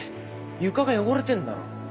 床が汚れてんだろ